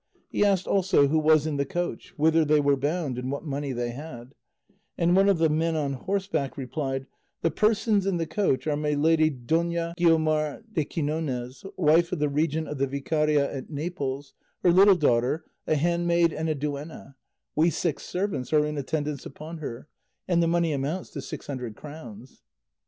He asked also who was in the coach, whither they were bound and what money they had, and one of the men on horseback replied, "The persons in the coach are my lady Dona Guiomar de Quinones, wife of the regent of the Vicaria at Naples, her little daughter, a handmaid and a duenna; we six servants are in attendance upon her, and the money amounts to six hundred crowns."